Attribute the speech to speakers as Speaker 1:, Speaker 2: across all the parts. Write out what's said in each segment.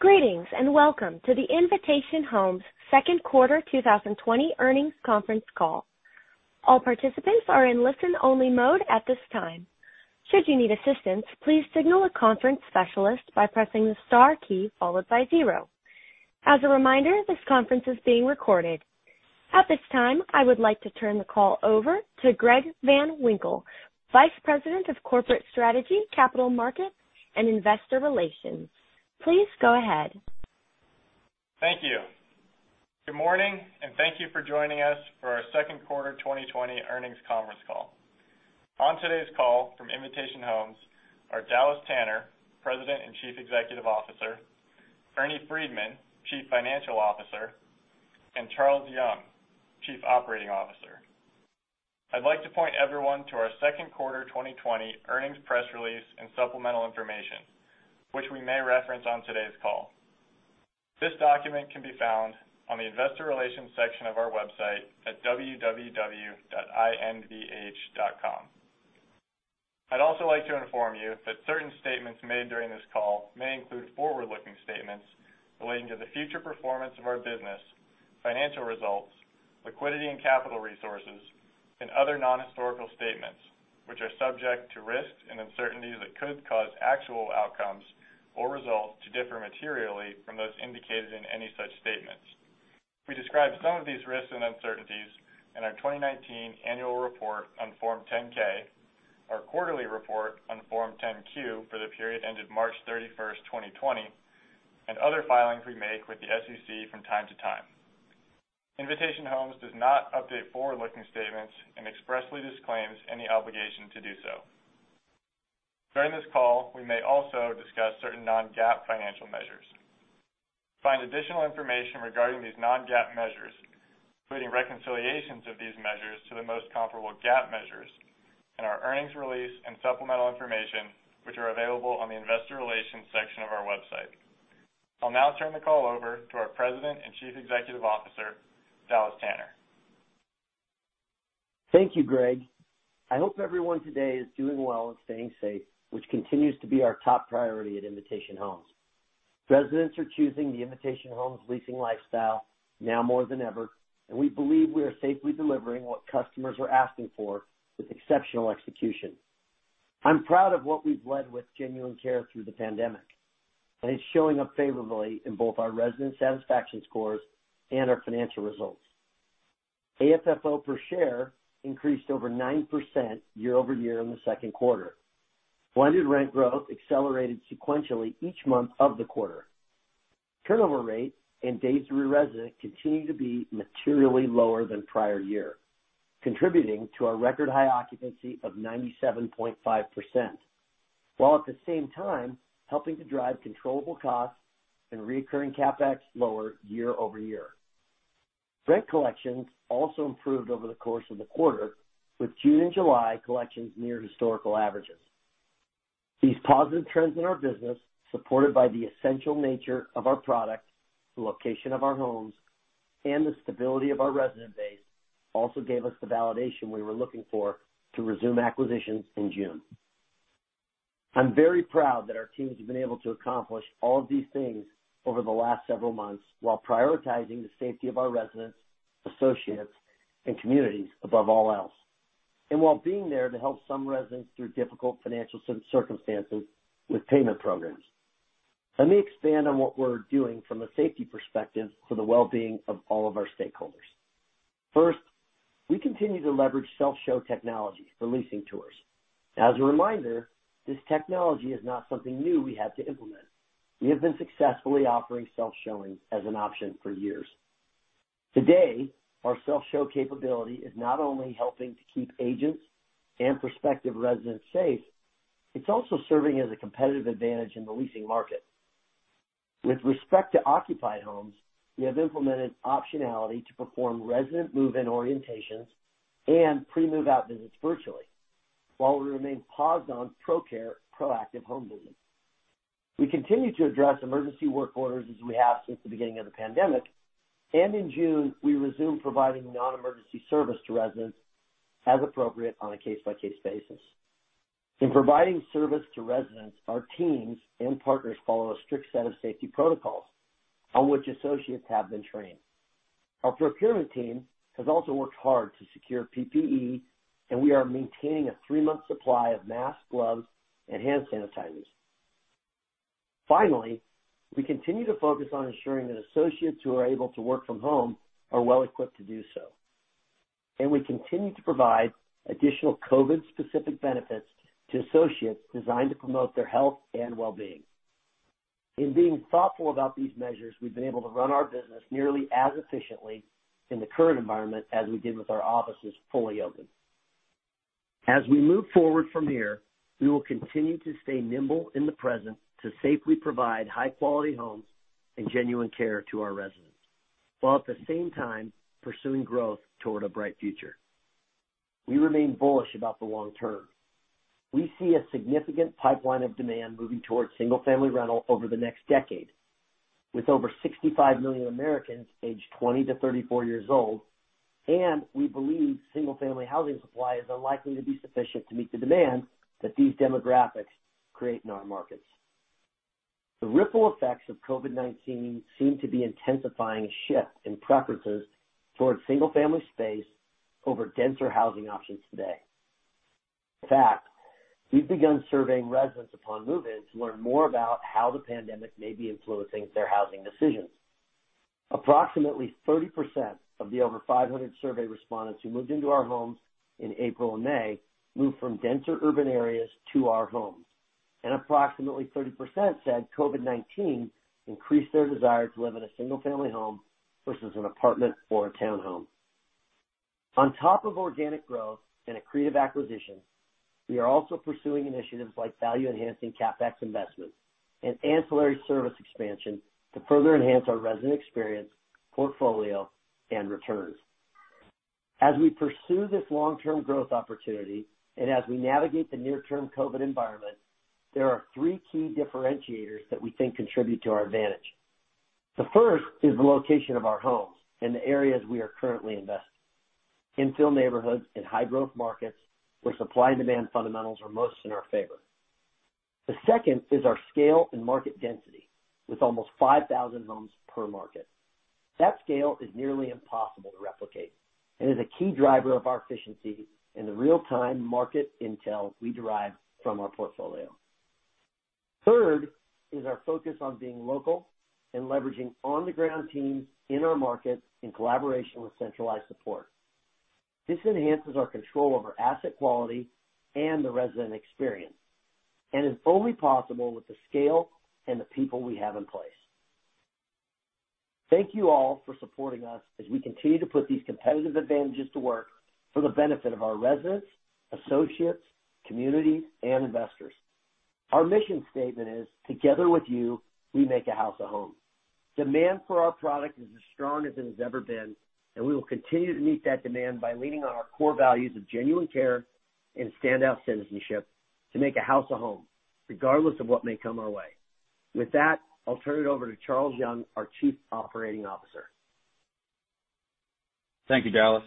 Speaker 1: Greetings, welcome to the Invitation Homes Second Quarter 2020 Earnings Conference Call. All participants are in listen-only mode at this time. Should you need assistance, please signal a conference specialist by pressing the star key followed by zero. As a reminder, this conference is being recorded. At this time, I would like to turn the call over to Greg Van Winkle, Vice President of Corporate Strategy, Capital Markets, and Investor Relations. Please go ahead.
Speaker 2: Thank you. Good morning, and thank you for joining us for our second quarter 2020 earnings conference call. On today's call from Invitation Homes are Dallas Tanner, President and Chief Executive Officer, Ernie Freedman, Chief Financial Officer, and Charles Young, Chief Operating Officer. I'd like to point everyone to our second quarter 2020 earnings press release and supplemental information, which we may reference on today's call. This document can be found on the investor relations section of our website at www.invh.com. I'd also like to inform you that certain statements made during this call may include forward-looking statements relating to the future performance of our business, financial results, liquidity and capital resources, and other non-historical statements, which are subject to risks and uncertainties that could cause actual outcomes or results to differ materially from those indicated in any such statements. We describe some of these risks and uncertainties in our 2019 annual report on Form 10-K, our quarterly report on Form 10-Q for the period ended March 31st, 2020, and other filings we make with the SEC from time to time. Invitation Homes does not update forward-looking statements and expressly disclaims any obligation to do so. During this call, we may also discuss certain non-GAAP financial measures. Find additional information regarding these non-GAAP measures, including reconciliations of these measures to the most comparable GAAP measures in our earnings release and supplemental information, which are available on the investor relations section of our website. I'll now turn the call over to our President and Chief Executive Officer, Dallas Tanner.
Speaker 3: Thank you, Greg. I hope everyone today is doing well and staying safe, which continues to be our top priority at Invitation Homes. Residents are choosing the Invitation Homes leasing lifestyle now more than ever. We believe we are safely delivering what customers are asking for with exceptional execution. I'm proud of what we've led with genuine care through the pandemic. It's showing up favorably in both our resident satisfaction scores and our financial results. AFFO per share increased over 9% year-over-year in the second quarter. Blended rent growth accelerated sequentially each month of the quarter. Turnover rate and days to re-resident continue to be materially lower than prior year, contributing to our record high occupancy of 97.5%, while at the same time helping to drive controllable costs and reoccurring CapEx lower year-over-year. Rent collections also improved over the course of the quarter, with June and July collections near historical averages. These positive trends in our business, supported by the essential nature of our product, the location of our homes, and the stability of our resident base, also gave us the validation we were looking for to resume acquisitions in June. I'm very proud that our teams have been able to accomplish all of these things over the last several months while prioritizing the safety of our residents, associates, and communities above all else, and while being there to help some residents through difficult financial circumstances with payment programs. Let me expand on what we're doing from a safety perspective for the well-being of all of our stakeholders. First, we continue to leverage self-show technology for leasing tours. As a reminder, this technology is not something new we had to implement. We have been successfully offering self-showing as an option for years. Today, our self-show capability is not only helping to keep agents and prospective residents safe, it's also serving as a competitive advantage in the leasing market. With respect to occupied homes, we have implemented optionality to perform resident move-in orientations and pre-move out visits virtually, while we remain paused on ProCare proactive home maintenance. We continue to address emergency work orders as we have since the beginning of the pandemic. In June, we resumed providing non-emergency service to residents as appropriate on a case-by-case basis. In providing service to residents, our teams and partners follow a strict set of safety protocols on which associates have been trained. Our procurement team has also worked hard to secure PPE, and we are maintaining a three-month supply of masks, gloves, and hand sanitizers. Finally, we continue to focus on ensuring that associates who are able to work from home are well-equipped to do so, and we continue to provide additional COVID-specific benefits to associates designed to promote their health and well-being. In being thoughtful about these measures, we've been able to run our business nearly as efficiently in the current environment as we did with our offices fully open. As we move forward from here, we will continue to stay nimble in the present to safely provide high-quality homes and genuine care to our residents, while at the same time pursuing growth toward a bright future. We remain bullish about the long term. We see a significant pipeline of demand moving towards single-family rental over the next decade. With over 65 million Americans aged 20 to 34 years old, and we believe single-family housing supply is unlikely to be sufficient to meet the demand that these demographics create in our markets. The ripple effects of COVID-19 seem to be intensifying a shift in preferences towards single-family space over denser housing options today. In fact, we've begun surveying residents upon move-in to learn more about how the pandemic may be influencing their housing decisions. Approximately 30% of the over 500 survey respondents who moved into our homes in April and May moved from denser urban areas to our homes. Approximately 30% said COVID-19 increased their desire to live in a single-family home versus an apartment or a town home. On top of organic growth and accretive acquisitions, we are also pursuing initiatives like value-enhancing CapEx investments and ancillary service expansion to further enhance our resident experience, portfolio, and returns. As we pursue this long-term growth opportunity, and as we navigate the near-term COVID environment, there are three key differentiators that we think contribute to our advantage. The first is the location of our homes in the areas we are currently investing. Infill neighborhoods in high-growth markets where supply and demand fundamentals are most in our favor. The second is our scale and market density with almost 5,000 homes per market. That scale is nearly impossible to replicate and is a key driver of our efficiency in the real-time market intel we derive from our portfolio. Third is our focus on being local and leveraging on-the-ground teams in our markets in collaboration with centralized support. This enhances our control over asset quality and the resident experience and is only possible with the scale and the people we have in place. Thank you all for supporting us as we continue to put these competitive advantages to work for the benefit of our residents, associates, communities, and investors. Our mission statement is, together with you, we make a house a home. Demand for our product is as strong as it has ever been, and we will continue to meet that demand by leaning on our core values of genuine care and standout citizenship to make a house a home, regardless of what may come our way. With that, I'll turn it over to Charles Young, our Chief Operating Officer.
Speaker 4: Thank you, Dallas.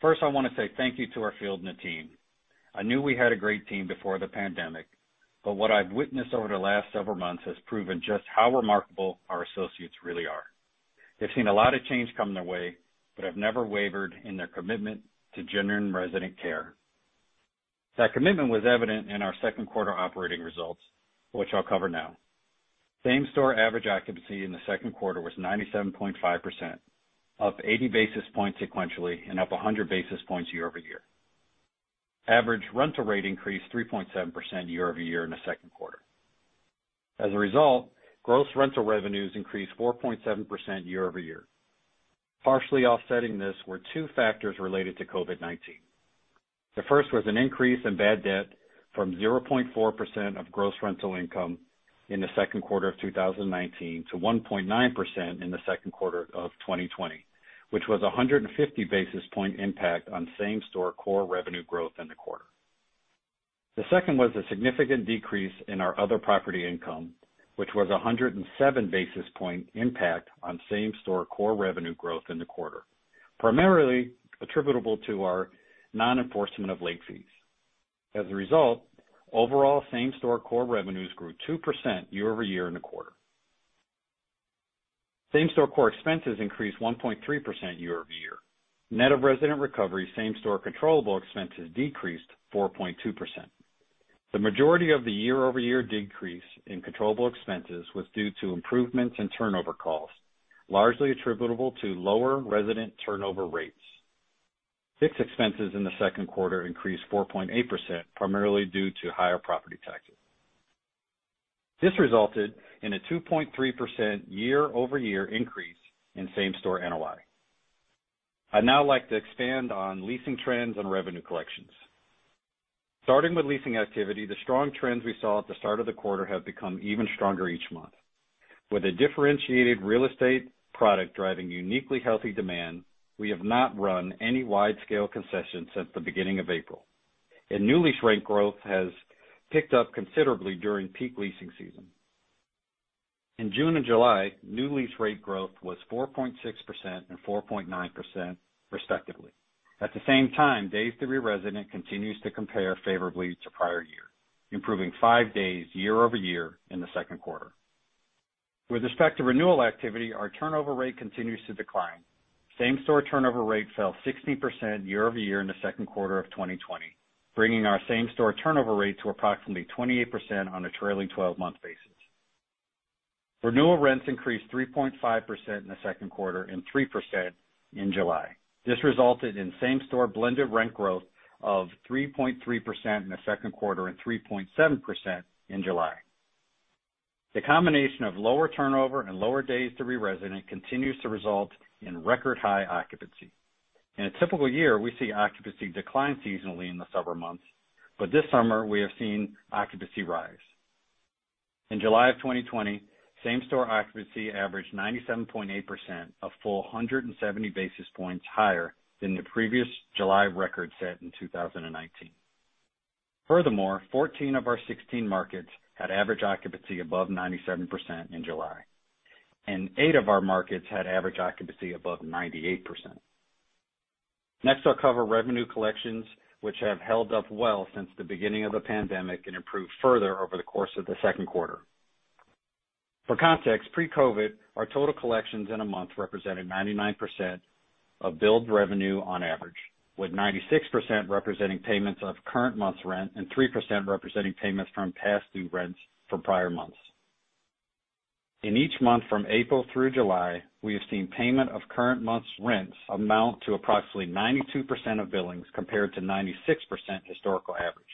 Speaker 4: First, I want to say thank you to our field and the team. I knew we had a great team before the pandemic, but what I've witnessed over the last several months has proven just how remarkable our associates really are. They've seen a lot of change coming their way, but have never wavered in their commitment to genuine resident care. That commitment was evident in our second quarter operating results, which I'll cover now. Same store average occupancy in the second quarter was 97.5%, up 80 basis points sequentially and up 100 basis points year-over-year. Average rental rate increased 3.7% year-over-year in the second quarter. As a result, gross rental revenues increased 4.7% year-over-year. Partially offsetting this were two factors related to COVID-19. The first was an increase in bad debt from 0.4% of gross rental income in the second quarter of 2019 to 1.9% in the second quarter of 2020, which was 150 basis point impact on same-store core revenue growth in the quarter. The second was a significant decrease in our other property income, which was 107 basis point impact on same-store core revenue growth in the quarter. Primarily attributable to our non-enforcement of late fees. As a result, overall same-store core revenues grew 2% year-over-year in the quarter. Same-store core expenses increased 1.3% year-over-year. Net of resident recovery, same-store controllable expenses decreased 4.2%. The majority of the year-over-year decrease in controllable expenses was due to improvements in turnover costs, largely attributable to lower resident turnover rates. Fixed expenses in the second quarter increased 4.8%, primarily due to higher property taxes. This resulted in a 2.3% year-over-year increase in same-store NOI. I'd now like to expand on leasing trends and revenue collections. Starting with leasing activity, the strong trends we saw at the start of the quarter have become even stronger each month. With a differentiated real estate product driving uniquely healthy demand, we have not run any wide-scale concessions since the beginning of April. New lease rent growth has picked up considerably during peak leasing season. In June and July, new lease rate growth was 4.6% and 4.9% respectively. At the same time, days to re-resident continues to compare favorably to prior year, improving five days year-over-year in the second quarter. With respect to renewal activity, our turnover rate continues to decline. Same store turnover rate fell 16% year-over-year in the second quarter of 2020, bringing our same store turnover rate to approximately 28% on a trailing 12-month basis. Renewal rents increased 3.5% in the second quarter and 3% in July. This resulted in same store blended rent growth of 3.3% in the second quarter and 3.7% in July. The combination of lower turnover and lower days to re-resident continues to result in record high occupancy. In a typical year, we see occupancy decline seasonally in the summer months. But this summer, we have seen occupancy rise. In July of 2020, same store occupancy averaged 97.8%, a full 170 basis points higher than the previous July record set in 2019. Furthermore, 14 of our 16 markets had average occupancy above 97% in July, and eight of our markets had average occupancy above 98%. Next, I'll cover revenue collections, which have held up well since the beginning of the pandemic and improved further over the course of the second quarter. For context, pre-COVID, our total collections in a month represented 99% of billed revenue on average, with 96% representing payments of current month's rent and 3% representing payments from past due rents for prior months. In each month from April through July, we have seen payment of current month's rents amount to approximately 92% of billings, compared to 96% historical average.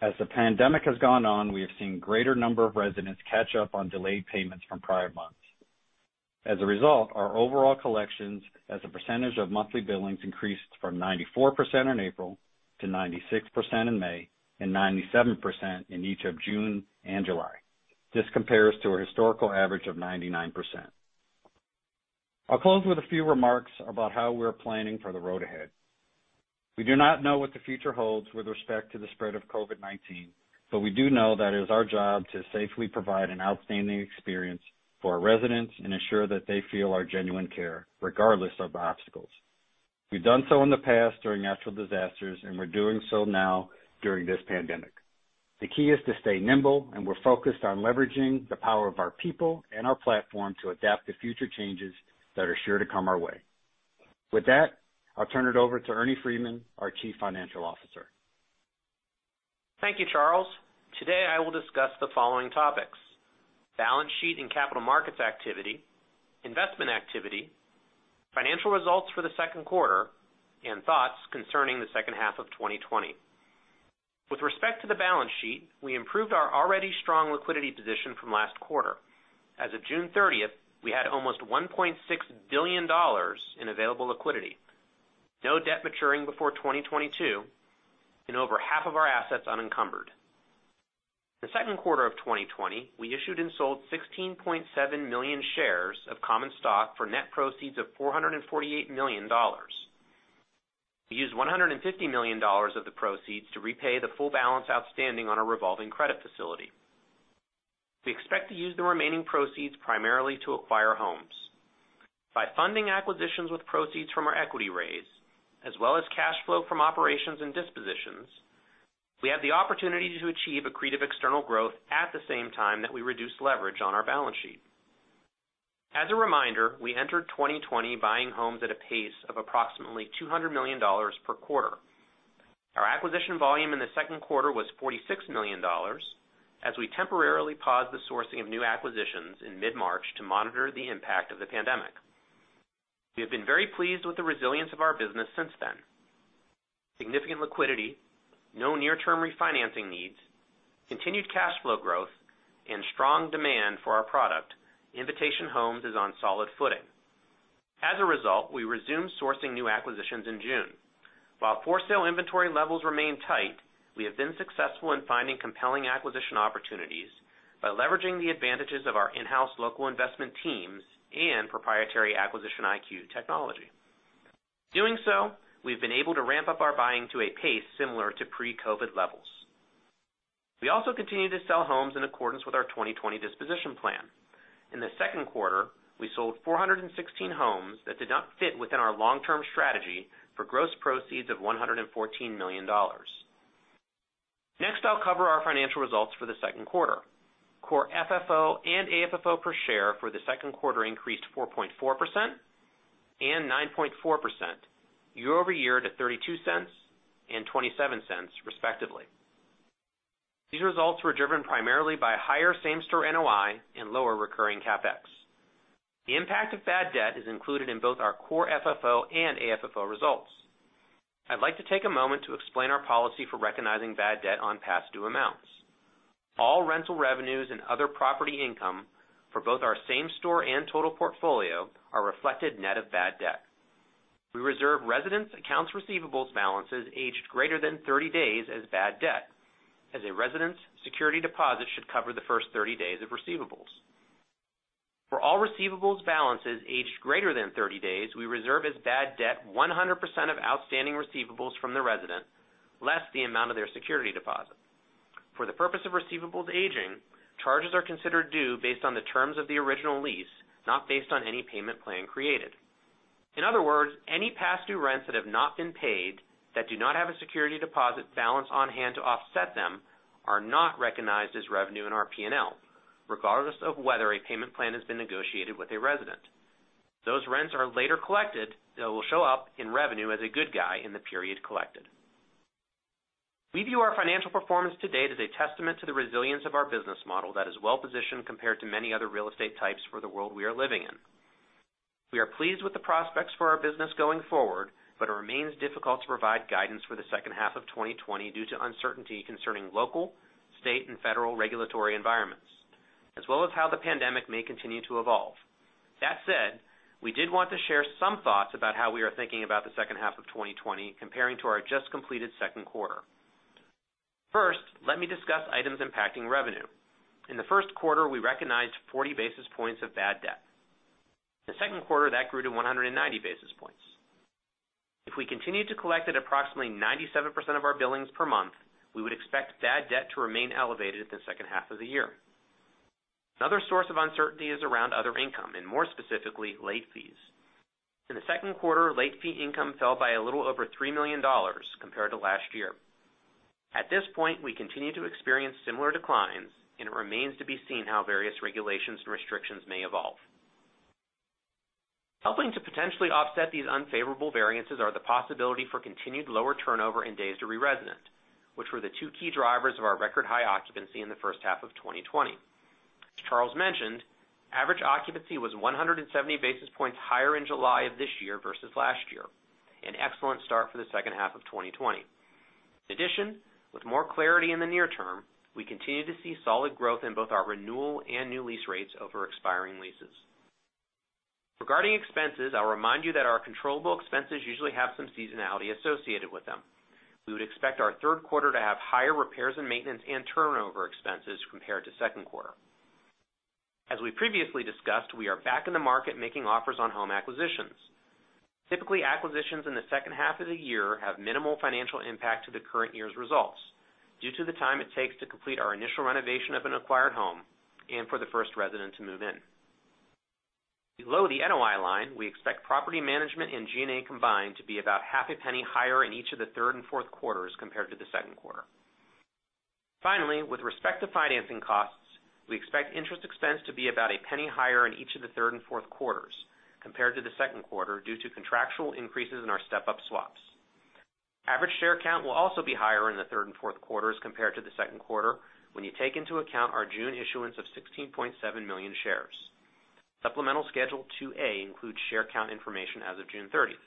Speaker 4: As the pandemic has gone on, we have seen greater number of residents catch up on delayed payments from prior months. As a result, our overall collections as a percentage of monthly billings increased from 94% in April to 96% in May and 97% in each of June and July. This compares to a historical average of 99%. I'll close with a few remarks about how we're planning for the road ahead. We do not know what the future holds with respect to the spread of COVID-19, but we do know that it is our job to safely provide an outstanding experience for our residents and ensure that they feel our genuine care, regardless of the obstacles. We've done so in the past during natural disasters, and we're doing so now during this pandemic. The key is to stay nimble, and we're focused on leveraging the power of our people and our platform to adapt to future changes that are sure to come our way. With that, I'll turn it over to Ernie Freedman, our Chief Financial Officer.
Speaker 5: Thank you, Charles. Today, I will discuss the following topics: balance sheet and capital markets activity, investment activity, financial results for the second quarter, and thoughts concerning the second half of 2020. With respect to the balance sheet, we improved our already strong liquidity position from last quarter. As of June 30th, we had almost $1.6 billion in available liquidity, no debt maturing before 2022, and over half of our assets unencumbered. The second quarter of 2020, we issued and sold 16.7 million shares of common stock for net proceeds of $448 million. We used $150 million of the proceeds to repay the full balance outstanding on our revolving credit facility. We expect to use the remaining proceeds primarily to acquire homes. By funding acquisitions with proceeds from our equity raise, as well as cash flow from operations and dispositions, we have the opportunity to achieve accretive external growth at the same time that we reduce leverage on our balance sheet. As a reminder, we entered 2020 buying homes at a pace of approximately $200 million per quarter. Our acquisition volume in the second quarter was $46 million, as we temporarily paused the sourcing of new acquisitions in mid-March to monitor the impact of the pandemic. We have been very pleased with the resilience of our business since then. Significant liquidity, no near-term refinancing needs, continued cash flow growth, and strong demand for our product, Invitation Homes is on solid footing. As a result, we resumed sourcing new acquisitions in June. While for-sale inventory levels remain tight, we have been successful in finding compelling acquisition opportunities by leveraging the advantages of our in-house local investment teams and proprietary AcquisitionIQ technology. Doing so, we've been able to ramp up our buying to a pace similar to pre-COVID levels. We also continue to sell homes in accordance with our 2020 disposition plan. In the second quarter, we sold 416 homes that did not fit within our long-term strategy for gross proceeds of $114 million. Next, I'll cover our financial results for the second quarter. Core FFO and AFFO per share for the second quarter increased 4.4% and 9.4% year-over-year to $0.32 and $0.27, respectively. These results were driven primarily by higher same-store NOI and lower recurring CapEx. The impact of bad debt is included in both our Core FFO and AFFO results. I'd like to take a moment to explain our policy for recognizing bad debt on past due amounts. All rental revenues and other property income for both our same store and total portfolio are reflected net of bad debt. We reserve residents' accounts receivables balances aged greater than 30 days as bad debt, as a resident's security deposit should cover the first 30 days of receivables. For all receivables balances aged greater than 30 days, we reserve as bad debt 100% of outstanding receivables from the resident, less the amount of their security deposit. For the purpose of receivables aging, charges are considered due based on the terms of the original lease, not based on any payment plan created. In other words, any past due rents that have not been paid that do not have a security deposit balance on-hand to offset them are not recognized as revenue in our P&L, regardless of whether a payment plan has been negotiated with a resident. Those rents are later collected, they will show up in revenue as a good guy in the period collected. We view our financial performance to date as a testament to the resilience of our business model that is well-positioned compared to many other real estate types for the world we are living in. We are pleased with the prospects for our business going forward, but it remains difficult to provide guidance for the second half of 2020 due to uncertainty concerning local, state, and federal regulatory environments, as well as how the pandemic may continue to evolve. That said, we did want to share some thoughts about how we are thinking about the second half of 2020 comparing to our just completed second quarter. First, let me discuss items impacting revenue. In the first quarter, we recognized 40 basis points of bad debt. In the second quarter, that grew to 190 basis points. If we continued to collect at approximately 97% of our billings per month, we would expect bad debt to remain elevated in the second half of the year. Another source of uncertainty is around other income, and more specifically, late fees. In the second quarter, late fee income fell by a little over $3 million compared to last year. At this point, we continue to experience similar declines, and it remains to be seen how various regulations and restrictions may evolve. Helping to potentially offset these unfavorable variances are the possibility for continued lower turnover and days to re-resident, which were the two key drivers of our record high occupancy in the first half of 2020. As Charles mentioned, average occupancy was 170 basis points higher in July of this year versus last year, an excellent start for the second half of 2020. In addition, with more clarity in the near term, we continue to see solid growth in both our renewal and new lease rates over expiring leases. Regarding expenses, I'll remind you that our controllable expenses usually have some seasonality associated with them. We would expect our third quarter to have higher repairs and maintenance and turnover expenses compared to second quarter. As we previously discussed, we are back in the market making offers on home acquisitions. Typically, acquisitions in the second half of the year have minimal financial impact to the current year's results due to the time it takes to complete our initial renovation of an acquired home and for the first resident to move in. Below the NOI line, we expect property management and G&A combined to be about $0.005 higher in each of the third and fourth quarters compared to the second quarter. Finally, with respect to financing costs, we expect interest expense to be about $0.01 higher in each of the third and fourth quarters compared to the second quarter, due to contractual increases in our step-up swaps. Average share count will also be higher in the third and fourth quarters compared to the second quarter when you take into account our June issuance of 16.7 million shares. Supplemental schedule 2A includes share count information as of June 30th.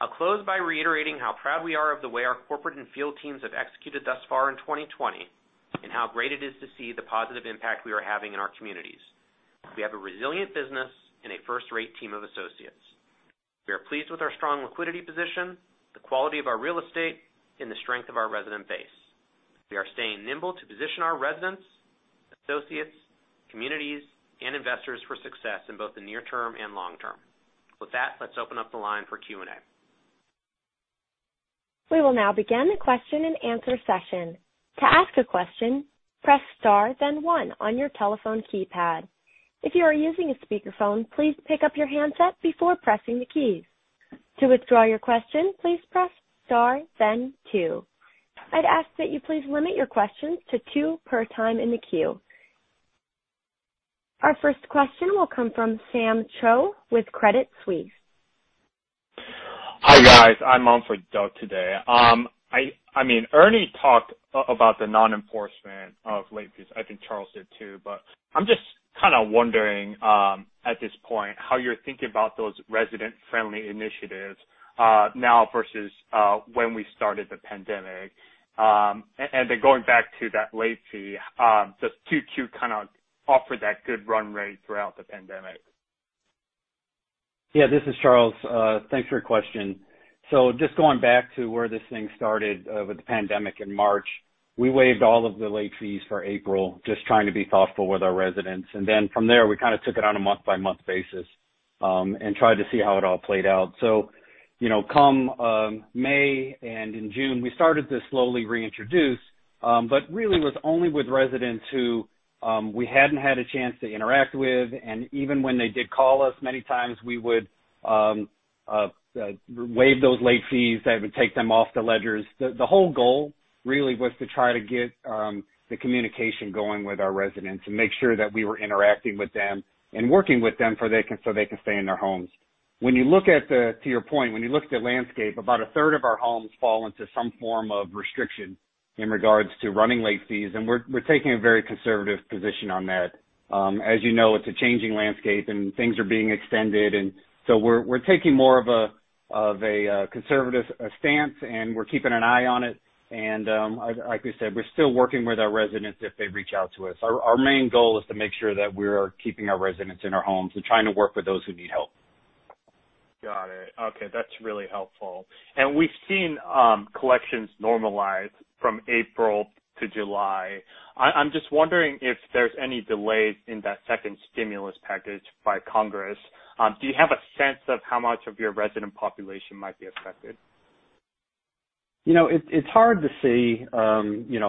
Speaker 5: I'll close by reiterating how proud we are of the way our corporate and field teams have executed thus far in 2020, and how great it is to see the positive impact we are having in our communities. We have a resilient business and a first-rate team of associates. We are pleased with our strong liquidity position, the quality of our real estate, and the strength of our resident base. We are staying nimble to position our residents, associates, communities, and investors for success in both the near term and long term. With that, let's open up the line for Q&A.
Speaker 1: We will now begin the question and answer session. To ask a question, press star then one on your telephone keypad. If you are using a speakerphone, please pick up your handset before pressing the keys. To withdraw your question, please press star then two. I'd ask that you please limit your questions to two per time in the queue. Our first question will come from Sam Cho with Credit Suisse.
Speaker 6: Hi, guys. I'm on for Doug today. Ernie talked about the non-enforcement of late fees. I think Charles did too, but I'm just kind of wondering, at this point, how you're thinking about those resident-friendly initiatives now versus when we started the pandemic. Then going back to that late fee, does Q2 kind of offer that good run rate throughout the pandemic?
Speaker 4: This is Charles. Thanks for your question. Just going back to where this thing started with the pandemic in March, we waived all of the late fees for April, just trying to be thoughtful with our residents. From there, we kind of took it on a month-by-month basis, and tried to see how it all played out. Come May and in June, we started to slowly reintroduce. Really was only with residents who we hadn't had a chance to interact with. Even when they did call us, many times, we would waive those late fees. I would take them off the ledgers. The whole goal really was to try to get the communication going with our residents and make sure that we were interacting with them and working with them so they can stay in their homes. To your point, when you looked at landscape, about a third of our homes fall into some form of restriction in regards to running late fees, and we're taking a very conservative position on that. As you know, it's a changing landscape and things are being extended, and so we're taking more of a conservative stance, and we're keeping an eye on it. Like we said, we're still working with our residents if they reach out to us. Our main goal is to make sure that we are keeping our residents in our homes and trying to work with those who need help.
Speaker 6: Got it. Okay. That's really helpful. We've seen collections normalize from April to July. I'm just wondering if there's any delays in that second stimulus package by Congress. Do you have a sense of how much of your resident population might be affected?
Speaker 4: It's hard to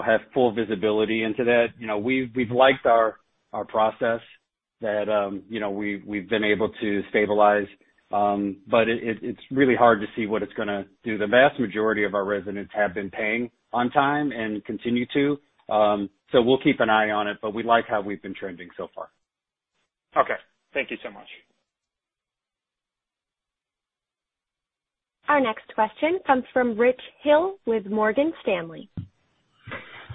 Speaker 4: have full visibility into that. We've liked our process that we've been able to stabilize. It's really hard to see what it's going to do. The vast majority of our residents have been paying on time and continue to. We'll keep an eye on it, but we like how we've been trending so far.
Speaker 6: Okay. Thank you so much.
Speaker 1: Our next question comes from Rich Hill with Morgan Stanley.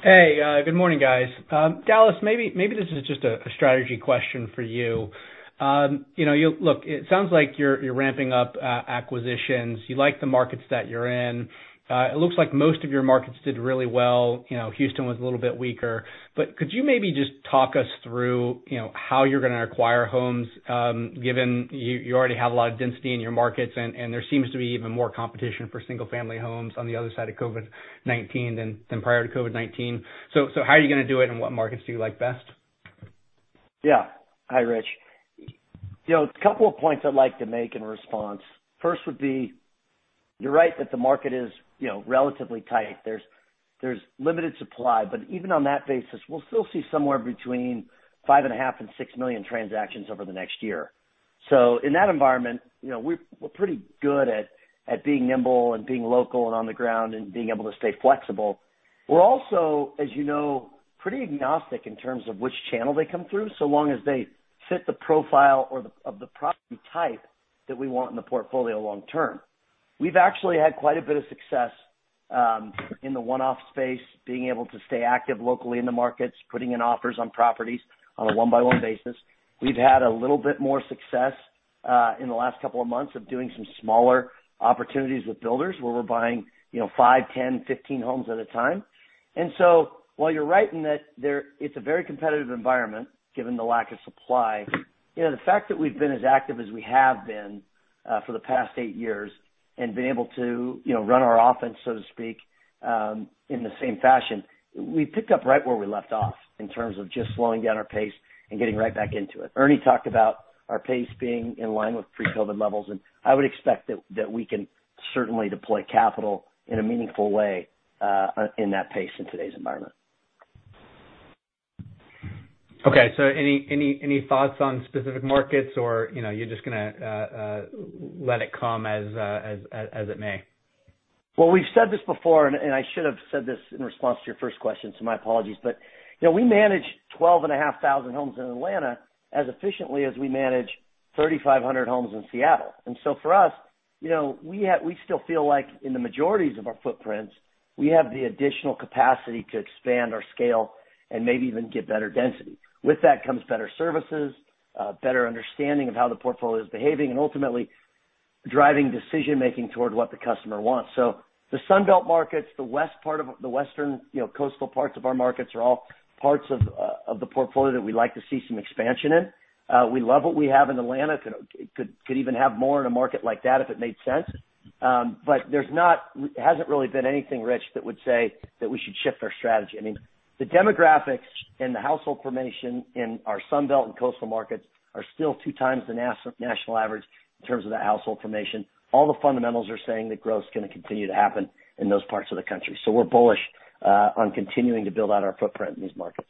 Speaker 7: Hey, good morning, guys. Dallas, maybe this is just a strategy question for you. Look, it sounds like you're ramping up acquisitions. You like the markets that you're in. It looks like most of your markets did really well. Houston was a little bit weaker. Could you maybe just talk us through how you're going to acquire homes? Given you already have a lot of density in your markets, and there seems to be even more competition for single-family homes on the other side of COVID-19 than prior to COVID-19. How are you going to do it, and what markets do you like best?
Speaker 3: Yeah. Hi, Rich. A couple of points I'd like to make in response. First would be, you're right that the market is relatively tight. There's limited supply. Even on that basis, we'll still see somewhere between five and a half and 6 million transactions over the next year. In that environment, we're pretty good at being nimble and being local and on the ground and being able to stay flexible. We're also, as you know, pretty agnostic in terms of which channel they come through, so long as they fit the profile or of the property type that we want in the portfolio long term. We've actually had quite a bit of success in the one-off space, being able to stay active locally in the markets, putting in offers on properties on a one-by-one basis. We've had a little bit more success, in the last couple of months, of doing some smaller opportunities with builders where we're buying five, 10, 15 homes at a time. While you're right in that it's a very competitive environment, given the lack of supply, the fact that we've been as active as we have been for the past eight years and been able to run our offense, so to speak, in the same fashion, we picked up right where we left off in terms of just slowing down our pace and getting right back into it. Ernie talked about our pace being in line with pre-COVID levels, and I would expect that we can certainly deploy capital in a meaningful way in that pace in today's environment.
Speaker 7: Okay. Any thoughts on specific markets, or you're just going to let it come as it may?
Speaker 3: Well, we've said this before. I should have said this in response to your first question. My apologies. We manage 12,500 homes in Atlanta as efficiently as we manage 3,500 homes in Seattle. For us, we still feel like in the majorities of our footprints, we have the additional capacity to expand our scale and maybe even get better density. With that comes better services, better understanding of how the portfolio is behaving, and ultimately driving decision-making toward what the customer wants. The Sun Belt markets, the western coastal parts of our markets are all parts of the portfolio that we'd like to see some expansion in. We love what we have in Atlanta. Could even have more in a market like that if it made sense. There hasn't really been anything, Rich, that would say that we should shift our strategy. The demographics and the household formation in our Sun Belt and coastal markets are still two times the national average in terms of the household formation. All the fundamentals are saying that growth is going to continue to happen in those parts of the country. We're bullish on continuing to build out our footprint in these markets.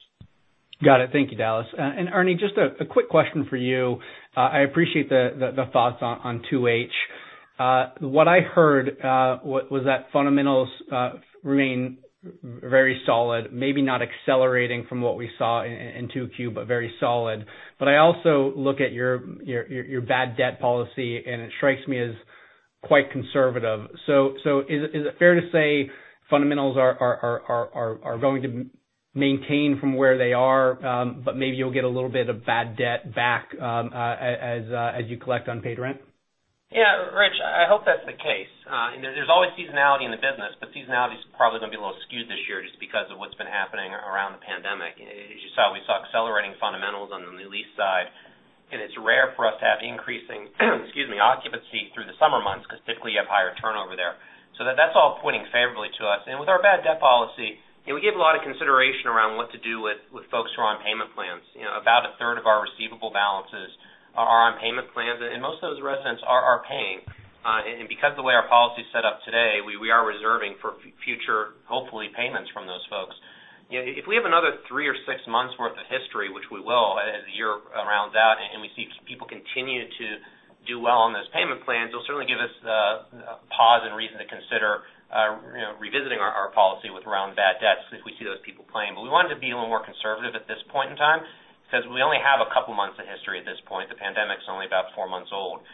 Speaker 7: Got it. Thank you, Dallas. Ernie, just a quick question for you. I appreciate the thoughts on 2H. What I heard was that fundamentals remain very solid, maybe not accelerating from what we saw in 2Q, but very solid. I also look at your bad debt policy, and it strikes me as quite conservative. Is it fair to say fundamentals are going to maintain from where they are, but maybe you'll get a little bit of bad debt back as you collect unpaid rent?
Speaker 5: Yeah, Rich, I hope that's the case. There's always seasonality in the business, but seasonality is probably going to be a little skewed this year just because of what's been happening around the pandemic. As you saw, we saw accelerating fundamentals on the lease side, and it's rare for us to have increasing excuse me, occupancy through the summer months because typically you have higher turnover there. That's all pointing favorably to us. With our bad debt policy, we gave a lot of consideration around what to do with folks who are on payment plans. About a third of our receivable balances are on payment plans, and most of those residents are paying. Because the way our policy is set up today, we are reserving for future, hopefully, payments from those folks. If we have another three or six months worth of history, which we will as the year rounds out, and we see people continue to do well on those payment plans, it'll certainly give us pause and reason to consider revisiting our policy with around bad debts if we see those people paying. We wanted to be a little more conservative at this point in time because we only have a couple of months of history at this point. The pandemic's only about four months old.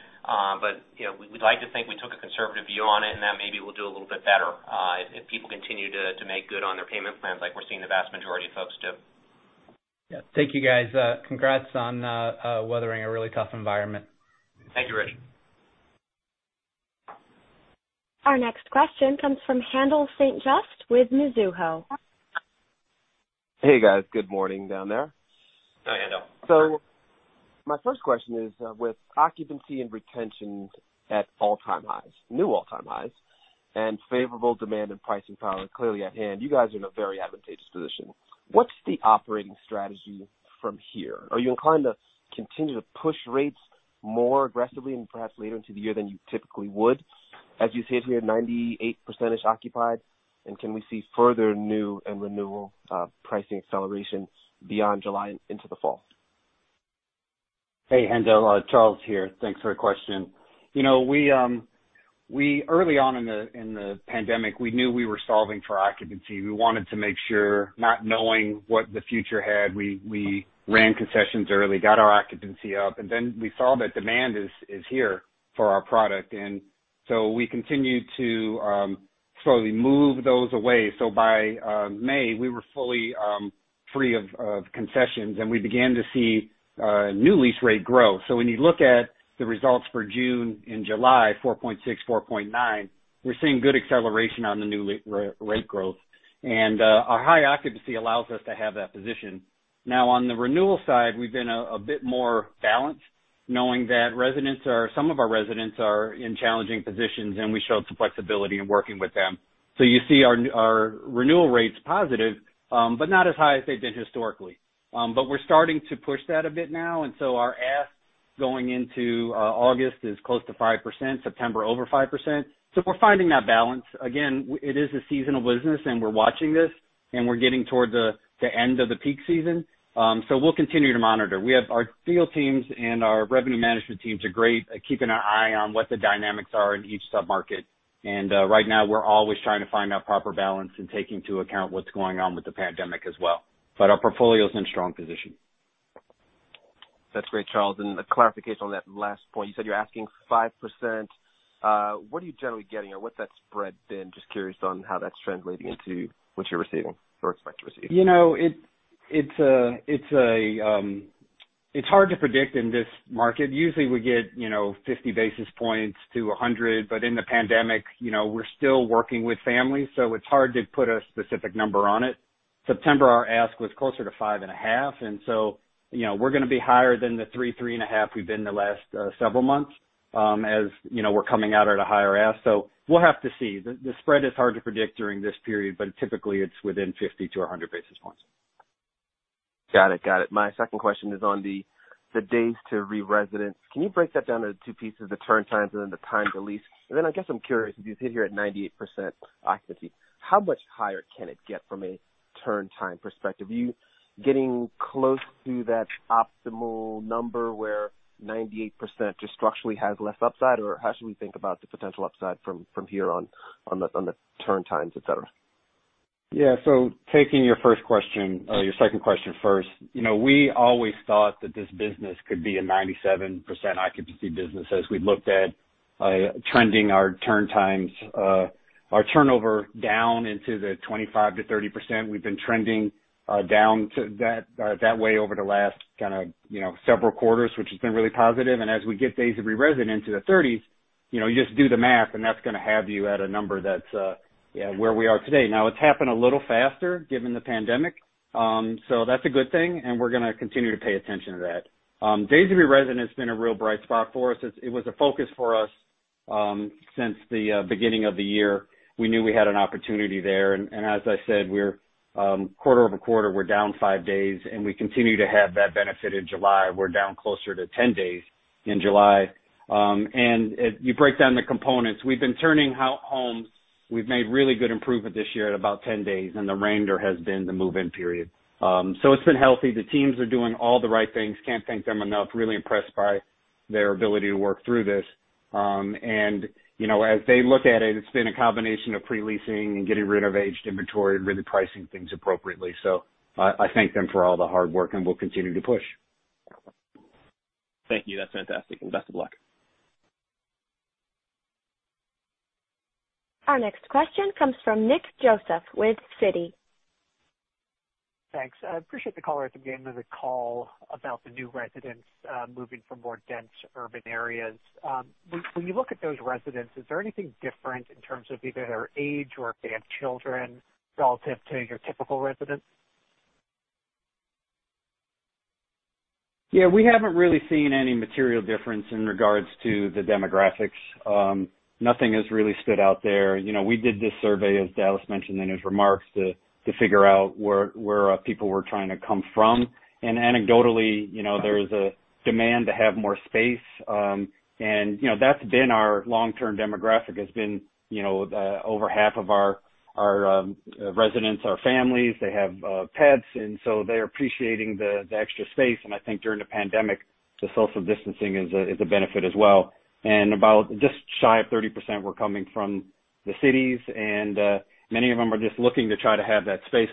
Speaker 5: We'd like to think we took a conservative view on it, and that maybe we'll do a little bit better if people continue to make good on their payment plans like we're seeing the vast majority of folks do.
Speaker 7: Yeah. Thank you, guys. Congrats on weathering a really tough environment.
Speaker 5: Thank you, Rich.
Speaker 1: Our next question comes from Haendel St. Juste with Mizuho.
Speaker 8: Hey, guys. Good morning down there.
Speaker 5: Hi, Haendel.
Speaker 8: My first question is, with occupancy and retention at all-time highs, new all-time highs, and favorable demand and pricing power clearly at hand, you guys are in a very advantageous position. What's the operating strategy from here? Are you inclined to continue to push rates more aggressively and perhaps later into the year than you typically would as you sit here 98%-ish occupied? Can we see further new and renewal pricing accelerations beyond July into the fall?
Speaker 4: Hey, Haendel. Charles here. Thanks for the question. Early on in the pandemic, we knew we were solving for occupancy. We wanted to make sure, not knowing what the future had, we ran concessions early, got our occupancy up, and then we saw that demand is here for our product. We continued to slowly move those away. By May, we were fully free of concessions, and we began to see new lease rate growth. When you look at the results for June and July, 4.6%, 4.9%, we're seeing good acceleration on the new rate growth. Our high occupancy allows us to have that position. Now on the renewal side, we've been a bit more balanced, knowing that some of our residents are in challenging positions, and we showed some flexibility in working with them. You see our renewal rates positive, but not as high as they've been historically. We're starting to push that a bit now, our ask going into August is close to 5%, September over 5%. We're finding that balance. Again, it is a seasonal business, and we're watching this, and we're getting towards the end of the peak season. We'll continue to monitor. We have our field teams and our revenue management teams are great at keeping an eye on what the dynamics are in each sub-market. Right now, we're always trying to find that proper balance and taking into account what's going on with the pandemic as well. Our portfolio is in strong position.
Speaker 8: That's great, Charles. A clarification on that last point. You said you're asking 5%. What are you generally getting or what's that spread been? Just curious on how that's translating into what you're receiving or expect to receive.
Speaker 4: It's hard to predict in this market. Usually, we get 50-100 basis points, but in the pandemic, we're still working with families, so it's hard to put a specific number on it. September, our ask was closer to five and a half, and so we're going to be higher than the three and a half we've been the last several months, as we're coming out at a higher ask. We'll have to see. The spread is hard to predict during this period, but typically it's within 50-100 basis points.
Speaker 8: Got it. My second question is on the days to re-residence. Can you break that down into two pieces, the turn times and then the time to lease? I guess I'm curious, if you sit here at 98% occupancy, how much higher can it get from a turn time perspective? Are you getting close to that optimal number where 98% just structurally has less upside? How should we think about the potential upside from here on the turn times, et cetera?
Speaker 4: Yeah. Taking your first question or your second question first. We always thought that this business could be a 97% occupancy business as we looked at trending our turn times, our turnover down into the 25%-30%. We've been trending down that way over the last kind of several quarters, which has been really positive. As we get days of re-residence to the 30s, you just do the math, and that's going to have you at a number that's where we are today. Now, it's happened a little faster given the pandemic, that's a good thing, and we're going to continue to pay attention to that. Days of re-residence has been a real bright spot for us. It was a focus for us since the beginning of the year. We knew we had an opportunity there, as I said, quarter-over-quarter, we're down five days, and we continue to have that benefit in July. We're down closer to 10 days in July. You break down the components. We've been turning homes. We've made really good improvement this year at about 10 days, and the remainder has been the move-in period. It's been healthy. The teams are doing all the right things. Can't thank them enough. Really impressed by their ability to work through this. As they look at it's been a combination of pre-leasing and getting rid of aged inventory and really pricing things appropriately. I thank them for all the hard work, and we'll continue to push.
Speaker 8: Thank you. That's fantastic, and best of luck.
Speaker 1: Our next question comes from Nick Joseph with Citi.
Speaker 9: Thanks. I appreciate the color at the beginning of the call about the new residents moving from more dense urban areas. When you look at those residents, is there anything different in terms of either their age or if they have children relative to your typical resident?
Speaker 4: Yeah. We haven't really seen any material difference in regards to the demographics. Nothing has really stood out there. We did this survey, as Dallas mentioned in his remarks, to figure out where people were trying to come from. Anecdotally, there's a demand to have more space. That's been our long-term demographic, has been over half of our residents are families. They have pets, they're appreciating the extra space. I think during the pandemic, the social distancing is a benefit as well. About just shy of 30% were coming from the cities, and many of them are just looking to try to have that space.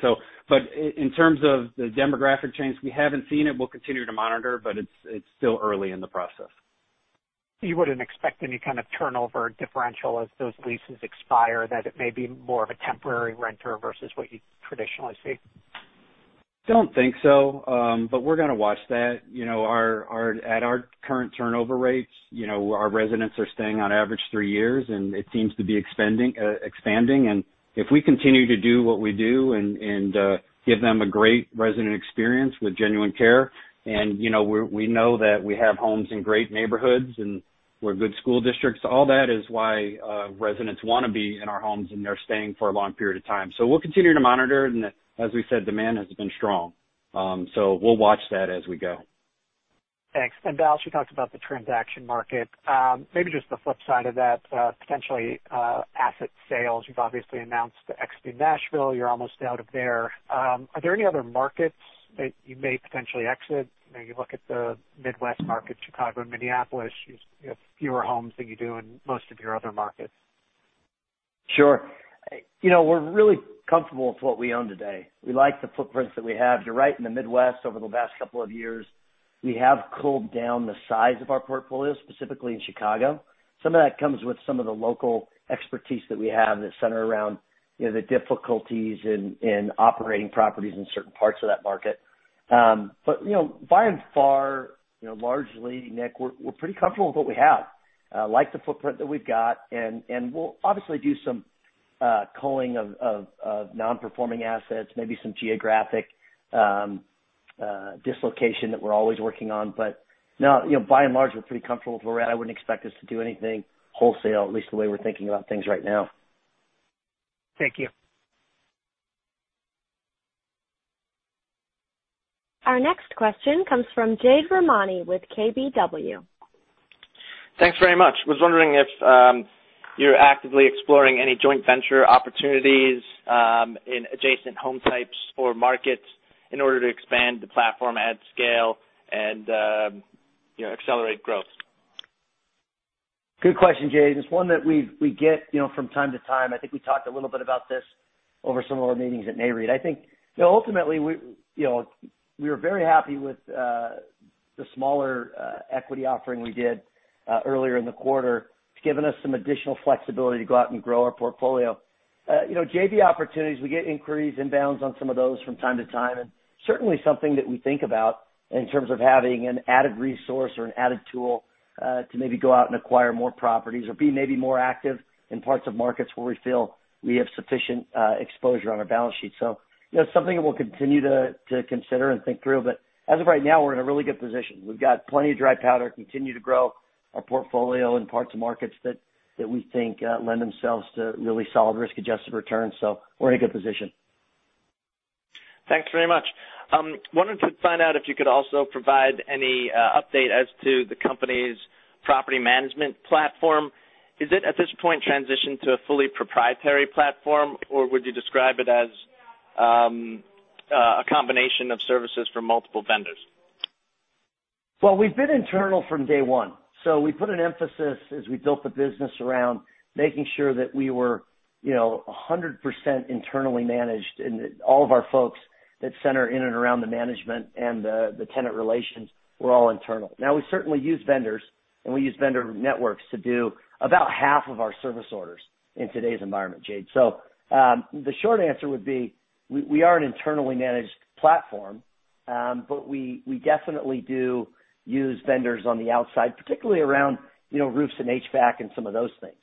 Speaker 4: In terms of the demographic change, we haven't seen it. We'll continue to monitor, but it's still early in the process.
Speaker 9: You wouldn't expect any kind of turnover differential as those leases expire, that it may be more of a temporary renter versus what you traditionally see?
Speaker 4: Don't think so, we're going to watch that. At our current turnover rates, our residents are staying on average three years, and it seems to be expanding. If we continue to do what we do and give them a great resident experience with genuine care, and we know that we have homes in great neighborhoods and with good school districts. All that is why residents want to be in our homes, and they're staying for a long period of time. We'll continue to monitor, and as we said, demand has been strong. We'll watch that as we go.
Speaker 9: Thanks. Dallas, you talked about the transaction market. Maybe just the flip side of that, potentially asset sales. You've obviously announced the exit in Nashville. You're almost out of there. Are there any other markets that you may potentially exit? Maybe look at the Midwest market, Chicago and Minneapolis. You have fewer homes than you do in most of your other markets.
Speaker 3: Sure. We're really comfortable with what we own today. We like the footprints that we have. You're right, in the Midwest over the last couple of years, we have culled down the size of our portfolio, specifically in Chicago. Some of that comes with some of the local expertise that we have that center around the difficulties in operating properties in certain parts of that market. By and far, largely, Nick, we're pretty comfortable with what we have. Like the footprint that we've got, and we'll obviously do some culling of non-performing assets, maybe some geographic dislocation that we're always working on. No, by and large, we're pretty comfortable with where we're at. I wouldn't expect us to do anything wholesale, at least the way we're thinking about things right now.
Speaker 9: Thank you.
Speaker 1: Our next question comes from Jade Rahmani with KBW.
Speaker 10: Thanks very much. I was wondering if you're actively exploring any joint venture opportunities in adjacent home types or markets in order to expand the platform at scale and accelerate growth?
Speaker 3: Good question, Jade. It's one that we get from time to time. I think we talked a little bit about this over some of our meetings at Nareit. I think ultimately, we are very happy with the smaller equity offering we did earlier in the quarter. It's given us some additional flexibility to go out and grow our portfolio. JV opportunities, we get inquiries, inbounds on some of those from time to time, certainly something that we think about in terms of having an added resource or an added tool to maybe go out and acquire more properties or be more active in parts of markets where we feel we have sufficient exposure on our balance sheet. Something that we'll continue to consider and think through. As of right now, we're in a really good position. We've got plenty of dry powder, continue to grow our portfolio in parts of markets that we think lend themselves to really solid risk-adjusted returns. We're in a good position.
Speaker 10: Thanks very much. I wanted to find out if you could also provide any update as to the company's property management platform. Is it, at this point, transitioned to a fully proprietary platform, or would you describe it as a combination of services from multiple vendors?
Speaker 3: Well, we've been internal from day one, we put an emphasis as we built the business around, making sure that we were 100% internally managed. All of our folks that center in and around the management and the tenant relations were all internal. Now, we certainly use vendors, and we use vendor networks to do about half of our service orders in today's environment, Jade. The short answer would be, we are an internally managed platform. We definitely do use vendors on the outside, particularly around roofs and HVAC and some of those things,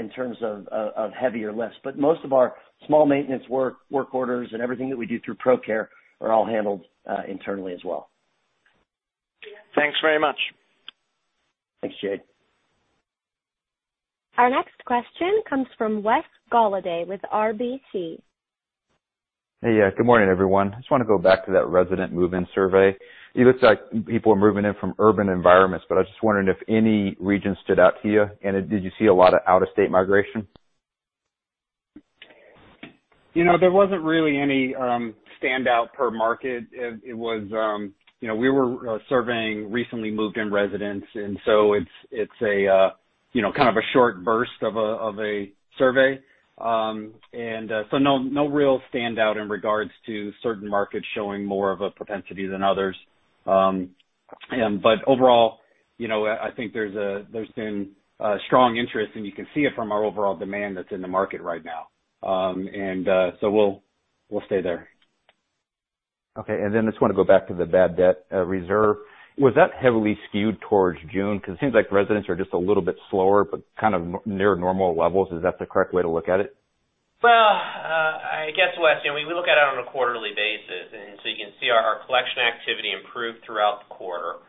Speaker 3: in terms of heavier lifts. Most of our small maintenance work orders and everything that we do through ProCare are all handled internally as well.
Speaker 10: Thanks very much.
Speaker 3: Thanks, Jade.
Speaker 1: Our next question comes from Wesley Golladay with RBC.
Speaker 11: Hey. Good morning, everyone. I just want to go back to that resident move-in survey. It looks like people are moving in from urban environments, but I was just wondering if any region stood out to you, and did you see a lot of out-of-state migration?
Speaker 3: There wasn't really any standout per market. We were surveying recently moved-in residents. It's kind of a short burst of a survey. No real standout in regards to certain markets showing more of a propensity than others. Overall, I think there's been a strong interest. You can see it from our overall demand that's in the market right now. We'll stay there.
Speaker 11: Okay. I just want to go back to the bad debt reserve. Was that heavily skewed towards June? It seems like residents are just a little bit slower, but kind of near normal levels. Is that the correct way to look at it?
Speaker 5: Well, I guess, Wes, we look at it on a quarterly basis. You can see our collection activity improved throughout the quarter.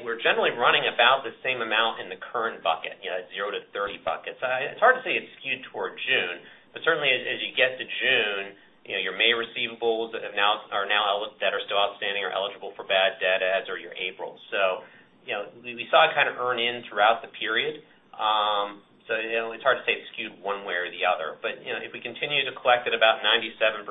Speaker 5: We're generally running about the same amount in the current bucket, 0 to 30 buckets. It's hard to say it's skewed toward June. Certainly, as you get to June, your May receivables that are still outstanding are eligible for bad debt, as are your April. We saw it kind of earn in throughout the period. It's hard to say it's skewed one way or the other. If we continue to collect at about 97%,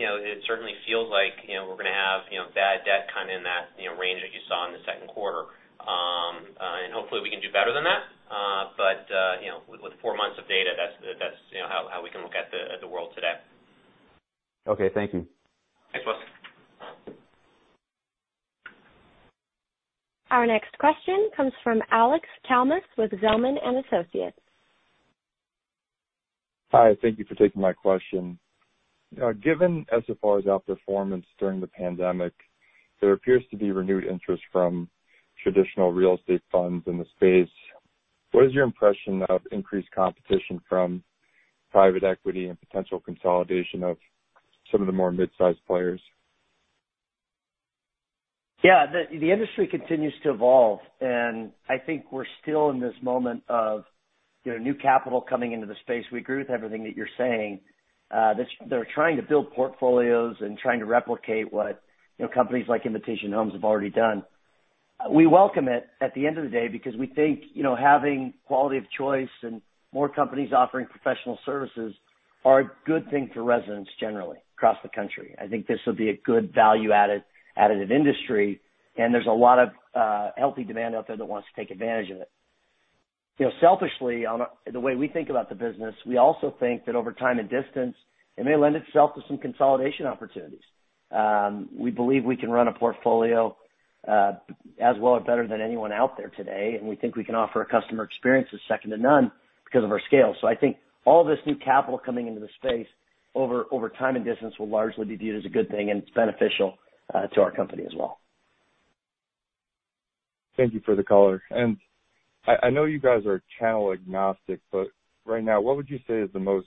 Speaker 5: it certainly feels like we're going to have bad debt kind of in that range that you saw in the second quarter. Hopefully, we can do better than that. With four months of data, that's how we can look at the world today.
Speaker 11: Okay. Thank you.
Speaker 5: Thanks, Wes.
Speaker 1: Our next question comes from Alex Kalmus with Zelman & Associates.
Speaker 12: Hi. Thank you for taking my question. Given SFR's outperformance during the pandemic, there appears to be renewed interest from traditional real estate funds in the space. What is your impression of increased competition from private equity and potential consolidation of some of the more mid-sized players?
Speaker 3: Yeah. The industry continues to evolve, and I think we're still in this moment of new capital coming into the space. We agree with everything that you're saying. They're trying to build portfolios and trying to replicate what companies like Invitation Homes have already done. We welcome it at the end of the day because we think having quality of choice and more companies offering professional services are a good thing for residents generally across the country. I think this will be a good value-added, additive industry, and there's a lot of healthy demand out there that wants to take advantage of it. Selfishly, the way we think about the business, we also think that over time and distance, it may lend itself to some consolidation opportunities. We believe we can run a portfolio as well or better than anyone out there today, and we think we can offer a customer experience that's second to none because of our scale. I think all this new capital coming into the space over time and distance will largely be viewed as a good thing, and it's beneficial to our company as well.
Speaker 12: Thank you for the color. I know you guys are channel agnostic, but right now, what would you say is the most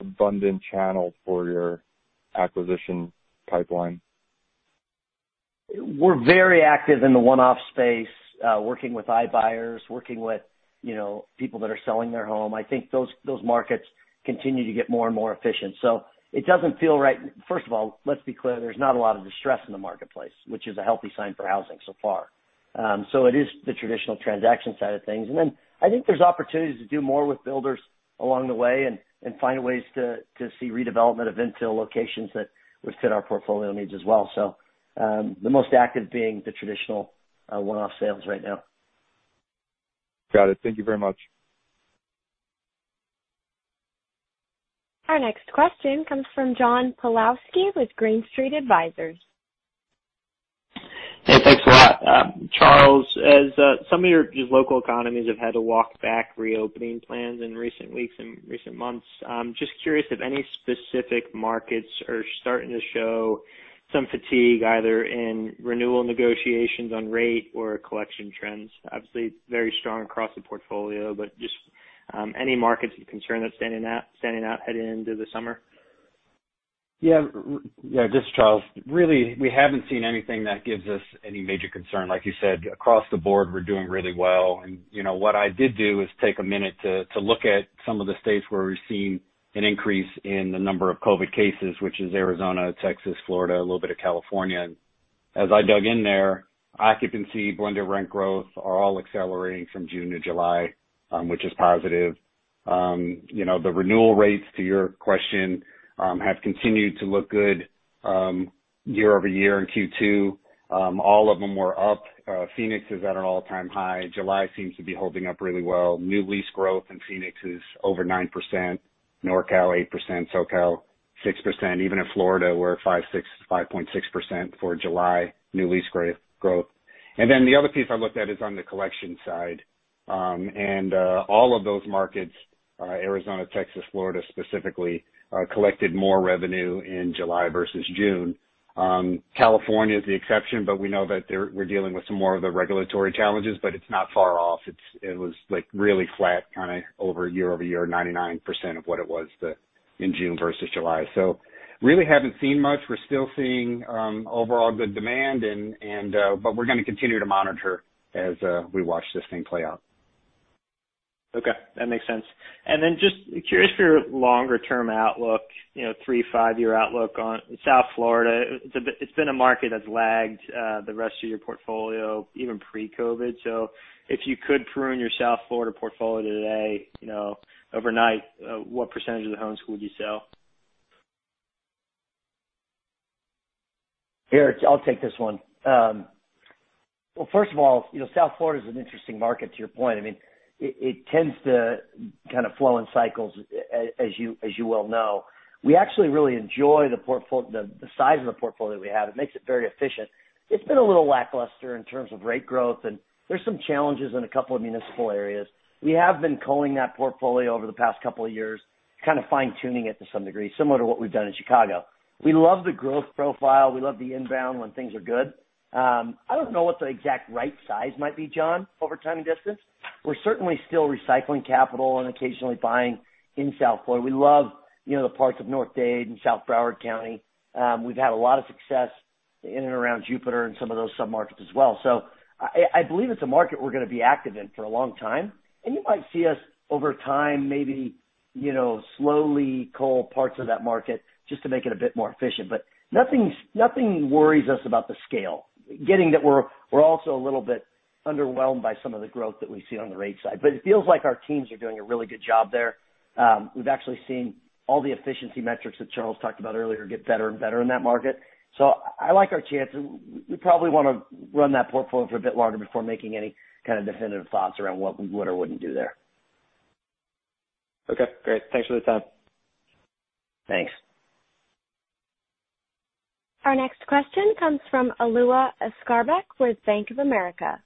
Speaker 12: abundant channel for your acquisition pipeline?
Speaker 3: We're very active in the one-off space, working with iBuyers, working with people that are selling their home. I think those markets continue to get more and more efficient. It doesn't feel right. First of all, let's be clear, there's not a lot of distress in the marketplace, which is a healthy sign for housing so far. It is the traditional transaction side of things. Then I think there's opportunities to do more with builders along the way and find ways to see redevelopment of infill locations that would fit our portfolio needs as well. The most active being the traditional one-off sales right now.
Speaker 12: Got it. Thank you very much.
Speaker 1: Our next question comes from John Pawlowski with Green Street Advisors.
Speaker 13: Hey, thanks a lot. Charles, as some of your just local economies have had to walk back reopening plans in recent weeks and recent months, I'm just curious if any specific markets are starting to show some fatigue, either in renewal negotiations on rate or collection trends. Obviously, it's very strong across the portfolio. Just any markets of concern that's standing out heading into the summer?
Speaker 4: Yeah. This is Charles. Really, we haven't seen anything that gives us any major concern. Like you said, across the board, we're doing really well. What I did do is take a minute to look at some of the states where we've seen an increase in the number of COVID cases, which is Arizona, Texas, Florida, a little bit of California. As I dug in there, occupancy, blended rent growth are all accelerating from June to July, which is positive. The renewal rates, to your question, have continued to look good year-over-year in Q2. All of them were up. Phoenix is at an all-time high. July seems to be holding up really well. New lease growth in Phoenix is over 9%, NorCal 8%, SoCal 6%. Even in Florida, we're at 5.6% for July new lease growth. The other piece I looked at is on the collection side. All of those markets, Arizona, Texas, Florida specifically, collected more revenue in July versus June. California is the exception, but we know that we're dealing with some more of the regulatory challenges, but it's not far off. It was really flat kind of over year-over-year, 99% of what it was in June versus July. Really haven't seen much. We're still seeing overall good demand, but we're going to continue to monitor as we watch this thing play out.
Speaker 13: Okay. That makes sense. Just curious for your longer term outlook, three, five-year outlook on South Florida. It's been a market that's lagged the rest of your portfolio, even pre-COVID. If you could prune your South Florida portfolio today overnight, what % of the homes would you sell?
Speaker 3: Ernie, I'll take this one. Well, first of all, South Florida is an interesting market, to your point. It tends to kind of flow in cycles, as you well know. We actually really enjoy the size of the portfolio we have. It makes it very efficient. It's been a little lackluster in terms of rate growth, and there's some challenges in a couple of municipal areas. We have been culling that portfolio over the past couple of years, kind of fine-tuning it to some degree, similar to what we've done in Chicago. We love the growth profile. We love the inbound when things are good. I don't know what the exact right size might be, John, over time and distance. We're certainly still recycling capital and occasionally buying in South Florida. We love the parts of North Dade and South Broward County. We've had a lot of success in and around Jupiter and some of those sub-markets as well. I believe it's a market we're going to be active in for a long time. You might see us over time, maybe, slowly cull parts of that market just to make it a bit more efficient. Nothing worries us about the scale. Given that we're also a little bit underwhelmed by some of the growth that we see on the rate side. It feels like our teams are doing a really good job there. We've actually seen all the efficiency metrics that Charles talked about earlier get better and better in that market. I like our chances. We probably want to run that portfolio for a bit longer before making any kind of definitive thoughts around what we would or wouldn't do there.
Speaker 13: Okay, great. Thanks for the time.
Speaker 3: Thanks.
Speaker 1: Our next question comes from Alua Askarbek with Bank of America.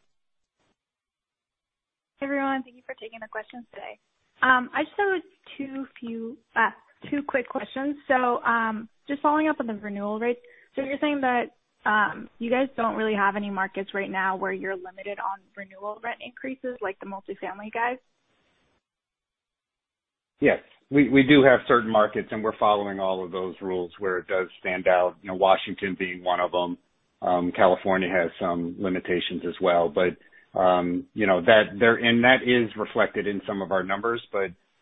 Speaker 14: Hey, everyone. Thank you for taking the questions today. I just have two quick questions. Just following up on the renewal rates. You're saying that you guys don't really have any markets right now where you're limited on renewal rent increases, like the multifamily guys?
Speaker 4: Yes. We do have certain markets, and we're following all of those rules where it does stand out, Washington being one of them. California has some limitations as well. That is reflected in some of our numbers.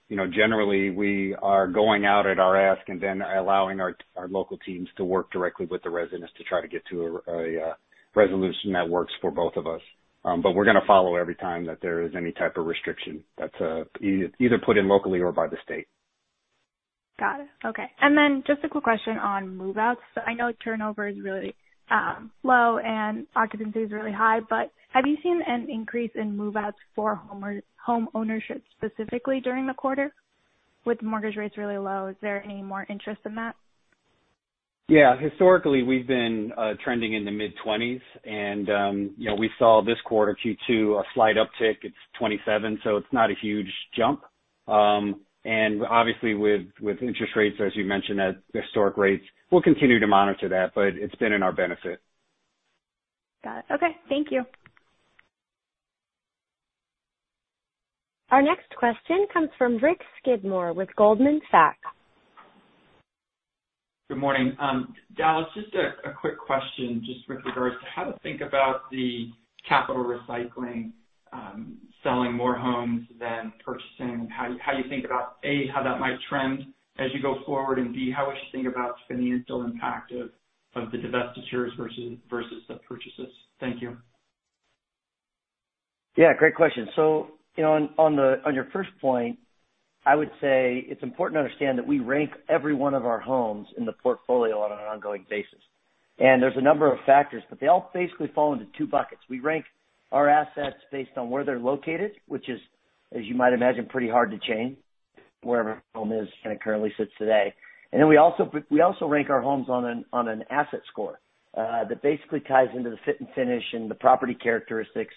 Speaker 4: Generally, we are going out at our ask and then allowing our local teams to work directly with the residents to try to get to a resolution that works for both of us. We're going to follow every time that there is any type of restriction that's either put in locally or by the state.
Speaker 14: Got it. Okay. Then just a quick question on move-outs. I know turnover is really low and occupancy is really high, but have you seen an increase in move-outs for homeownership specifically during the quarter? With mortgage rates really low, is there any more interest in that?
Speaker 4: Yeah. Historically, we've been trending in the mid-20s, and we saw this quarter, Q2, a slight uptick. It's 27, so it's not a huge jump.
Speaker 5: Obviously, with interest rates, as you mentioned, at historic rates, we'll continue to monitor that, but it's been in our benefit.
Speaker 1: Got it. Okay. Thank you. Our next question comes from Rick Skidmore with Goldman Sachs.
Speaker 15: Good morning. Dallas, just a quick question just with regards to how to think about the capital recycling, selling more homes than purchasing. How you think about, A, how that might trend as you go forward, and B, how we should think about the financial impact of the divestitures versus the purchases. Thank you.
Speaker 3: Yeah, great question. On your first point, I would say it's important to understand that we rank every one of our homes in the portfolio on an ongoing basis. There's a number of factors, but they all basically fall into two buckets. We rank our assets based on where they're located, which is, as you might imagine, pretty hard to change, wherever a home is, kind of currently sits today. We also rank our homes on an asset score that basically ties into the fit and finish and the property characteristics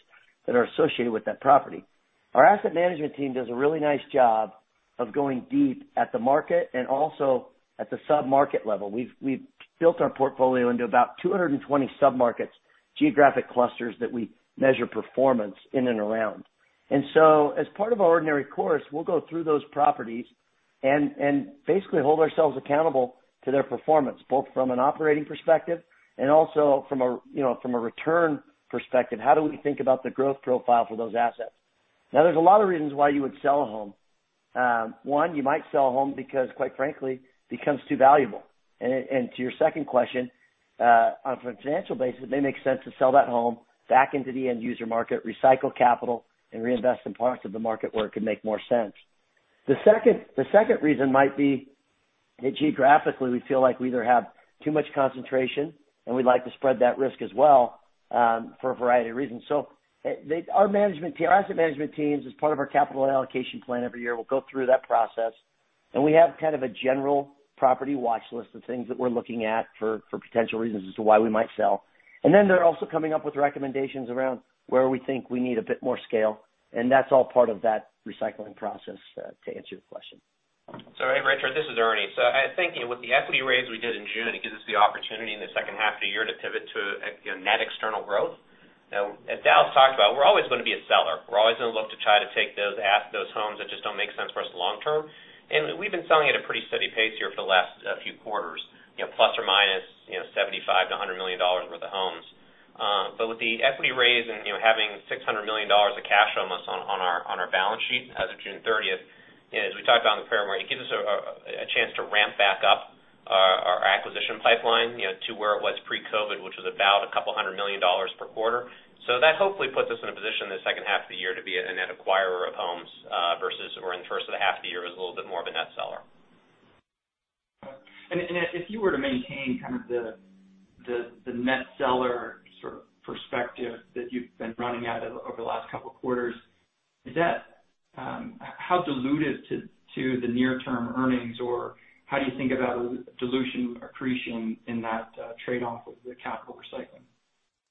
Speaker 3: that are associated with that property. Our asset management team does a really nice job of going deep at the market and also at the sub-market level. We've built our portfolio into about 220 sub-markets, geographic clusters that we measure performance in and around. As part of our ordinary course, we'll go through those properties and basically hold ourselves accountable to their performance, both from an operating perspective and also from a return perspective. How do we think about the growth profile for those assets? There's a lot of reasons why you would sell a home. One, you might sell a home because, quite frankly, it becomes too valuable. To your second question, on a financial basis, it may make sense to sell that home back into the end user market, recycle capital, and reinvest in parts of the market where it could make more sense. The second reason might be that geographically, we feel like we either have too much concentration and we'd like to spread that risk as well for a variety of reasons. Our asset management teams, as part of our capital allocation plan every year, will go through that process. We have kind of a general property watch list of things that we're looking at for potential reasons as to why we might sell. Then they're also coming up with recommendations around where we think we need a bit more scale, and that's all part of that recycling process, to answer your question.
Speaker 5: Hey, Richard, this is Ernie. I think with the equity raise we did in June, it gives us the opportunity in the second half of the year to pivot to net external growth. As Dallas talked about, we're always going to be a seller. We're always going to look to try to take those homes that just don't make sense for us long term. We've been selling at a pretty steady pace here for the last few quarters. ±$75 million-$100 million worth of homes. With the equity raise and having $600 million of cash on our balance sheet as of June 30th, as we talked about in the prepared remarks, it gives us a chance to ramp back up our acquisition pipeline to where it was pre-COVID, which was about $200 million per quarter. That hopefully puts us in a position in the second half of the year to be a net acquirer of homes versus where in the first of the half of the year was a little bit more of a net seller.
Speaker 15: If you were to maintain kind of the net seller sort of perspective that you've been running at over the last couple of quarters, how dilutive to the near-term earnings or how do you think about dilution accretion in that trade-off of the capital recycling?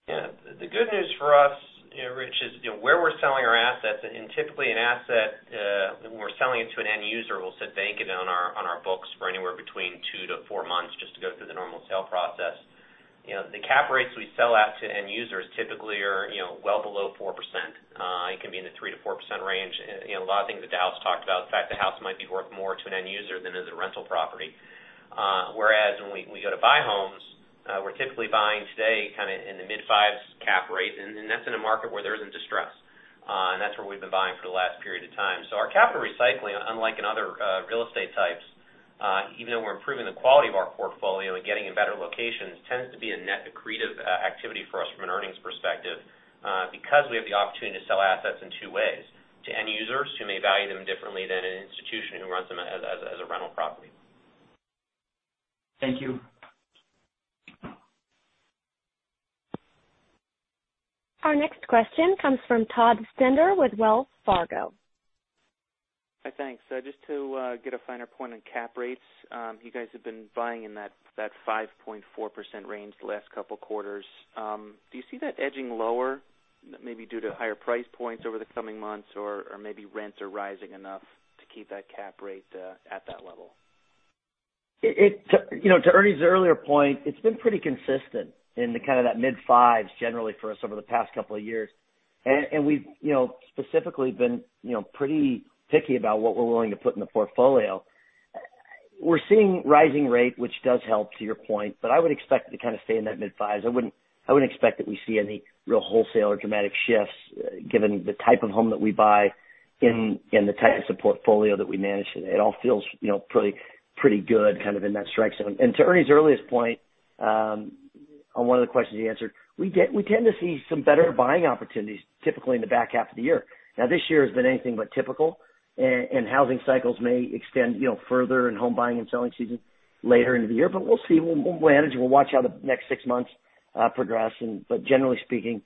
Speaker 5: The good news for us, Rich, is where we're selling our assets and typically an asset when we're selling it to an end user, will sit vacant on our books for anywhere between two to four months just to go through the normal sale process. The cap rates we sell at to end users typically are well below 4%. It can be in the 3% to 4% range. A lot of things that Dallas talked about, the fact the house might be worth more to an end user than as a rental property. Whereas when we go to buy homes, we're typically buying today kind of in the mid-fives cap rate, and that's in a market where there isn't distress. That's where we've been buying for the last period of time. Our capital recycling, unlike in other real estate types, even though we're improving the quality of our portfolio and getting in better locations, tends to be a net accretive activity for us from an earnings perspective because we have the opportunity to sell assets in two ways, to end users who may value them differently than an institution who runs them as a rental property.
Speaker 15: Thank you.
Speaker 1: Our next question comes from Todd Stender with Wells Fargo.
Speaker 16: Hi, thanks. Just to get a finer point on cap rates. You guys have been buying in that 5.4% range the last couple of quarters. Do you see that edging lower maybe due to higher price points over the coming months or maybe rents are rising enough to keep that cap rate at that level?
Speaker 3: To Ernie's earlier point, it's been pretty consistent in kind of that mid-fives generally for us over the past couple of years. We've specifically been pretty picky about what we're willing to put in the portfolio. We're seeing rising rate, which does help to your point, but I would expect it to kind of stay in that mid-fives. I wouldn't expect that we see any real wholesale or dramatic shifts given the type of home that we buy and the type of portfolio that we manage. It all feels pretty good kind of in that strike zone. To Ernie's earliest point on one of the questions he answered, we tend to see some better buying opportunities typically in the back half of the year. This year has been anything but typical, and housing cycles may extend further in home buying and selling season later into the year, but we'll see. We'll manage. We'll watch how the next six months progress. Generally speaking,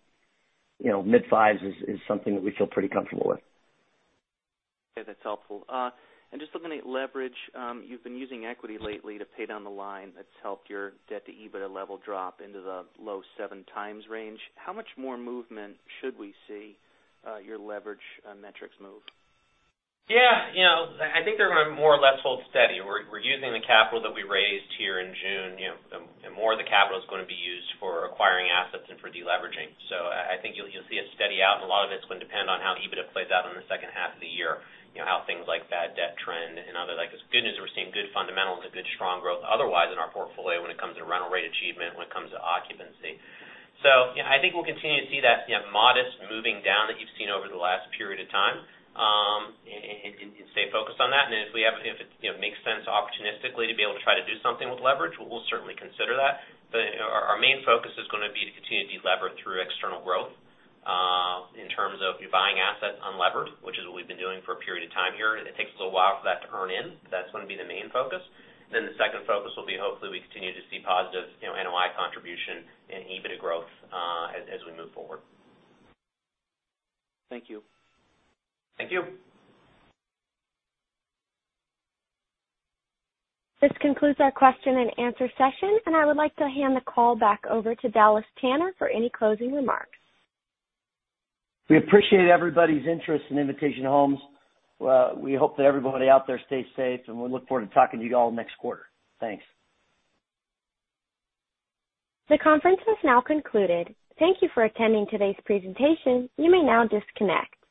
Speaker 3: mid-fives is something that we feel pretty comfortable with.
Speaker 16: Okay, that's helpful. Just looking at leverage, you've been using equity lately to pay down the line. That's helped your debt-to-EBITDA level drop into the low seven times range. How much more movement should we see your leverage metrics move?
Speaker 5: Yeah. I think they're going to more or less hold steady. We're using the capital that we raised here in June, and more of the capital is going to be used for acquiring assets and for deleveraging. I think you'll see it steady out, and a lot of it's going to depend on how EBITDA plays out in the second half of the year, how things like bad debt trend and others like this. Good news, we're seeing good fundamentals and good strong growth otherwise in our portfolio when it comes to rental rate achievement, when it comes to occupancy. I think we'll continue to see that modest moving down that you've seen over the last period of time and stay focused on that. If it makes sense opportunistically to be able to try to do something with leverage, we'll certainly consider that. Our main focus is going to be to continue to delever through external growth in terms of buying assets unlevered, which is what we've been doing for a period of time here. It takes us a while for that to earn in. That's going to be the main focus. The second focus will be hopefully we continue to see positive NOI contribution and EBITDA growth as we move forward.
Speaker 16: Thank you.
Speaker 5: Thank you.
Speaker 1: This concludes our question and answer session, and I would like to hand the call back over to Dallas Tanner for any closing remarks.
Speaker 3: We appreciate everybody's interest in Invitation Homes. We hope that everybody out there stays safe, and we look forward to talking to you all next quarter. Thanks.
Speaker 1: The conference has now concluded. Thank you for attending today's presentation. You may now disconnect.